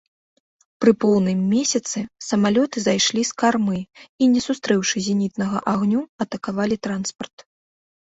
Пры поўным месяцы, самалёты зайшлі з кармы і, не сустрэўшы зенітнага агню, атакавалі транспарт.